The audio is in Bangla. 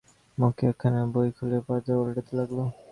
মক্ষী একখানা বই খুলে পাতা ওল্টাতে লাগল।